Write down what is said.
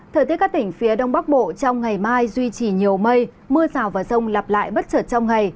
thời tiết các tỉnh phía đông bắc bộ trong ngày mai duy trì nhiều mây mưa rào và rông lặp lại bất chợt trong ngày